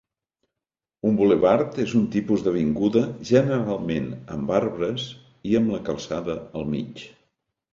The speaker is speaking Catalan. Un bulevard és un tipus d'avinguda, generalment amb arbres i amb la calçada al mig.